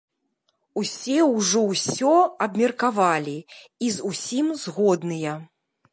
Усе ўжо ўсё абмеркавалі і з усім згодныя.